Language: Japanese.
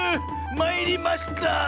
まいりました！